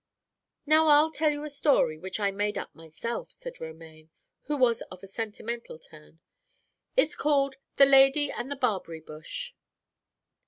"Now I'll tell you a story which I made up myself," said Romaine, who was of a sentimental turn. "It's called the Lady and the Barberry Bush.